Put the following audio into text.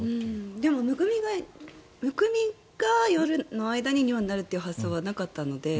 でも、むくみが夜の間に尿になるという発想はなかったので。